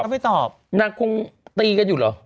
ไม่ตอบนางคงตีกันอยู่เหรอ